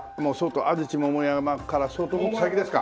安土桃山から相当もっと先ですか？